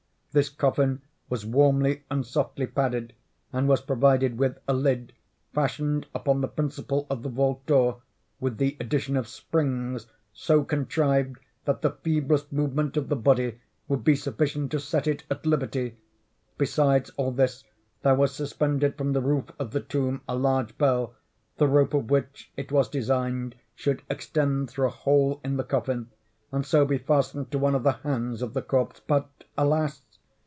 This coffin was warmly and softly padded, and was provided with a lid, fashioned upon the principle of the vault door, with the addition of springs so contrived that the feeblest movement of the body would be sufficient to set it at liberty. Besides all this, there was suspended from the roof of the tomb, a large bell, the rope of which, it was designed, should extend through a hole in the coffin, and so be fastened to one of the hands of the corpse. But, alas?